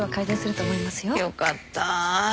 よかったぁ。